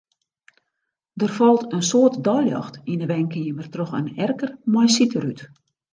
Der falt in soad deiljocht yn 'e wenkeamer troch in erker mei sydrút.